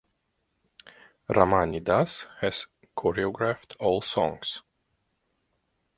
Ramani Das has choreographed all songs.